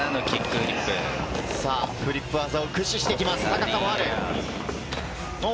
フリップ技を駆使してきます、高さもある。